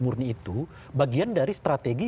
murni itu bagian dari strategi